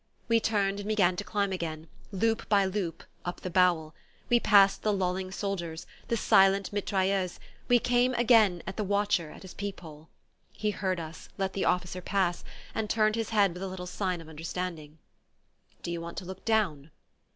We turned and began to climb again, loop by loop, up the "bowel" we passed the lolling soldiers, the silent mitrailleuse, we came again to the watcher at his peep hole. He heard us, let the officer pass, and turned his head with a little sign of understanding. "Do you want to look down?"